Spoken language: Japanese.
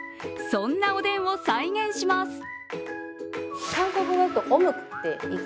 そんなおでんを再現します。